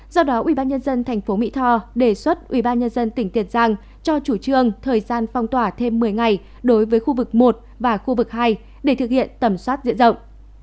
do đó ubnd tp mỹ tho đề xuất ubnd tỉnh tiền giang cho chủ trương thời gian phong tỏa thêm một mươi ngày đối với khu vực một và khu vực hai để thực hiện tầm soát diện rộng